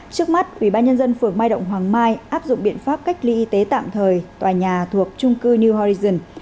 trước mắt ubnd phường mai động hoàng mai áp dụng biện pháp cách ly y tế tạm thời tòa nhà thuộc trung cư new horizon